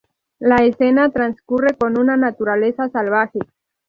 La escena transcurre en una naturaleza salvaje.